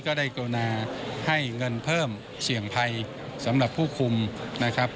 ได้กรุณาให้เงินเพิ่มเสี่ยงภัยสำหรับผู้คุมนะครับ